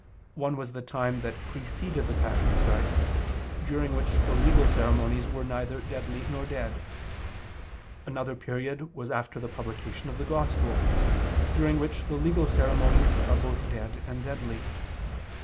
One was the time that preceded the Passion of Christ, during which the legal ceremonies were neither deadly nor dead: another period was after the publication of the Gospel, during which the legal ceremonies are both dead and deadly.